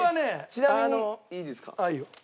ちなみにいいですか？